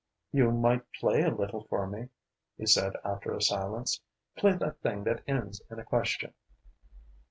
"You might play a little for me," he said after a silence. "Play that thing that ends in a question."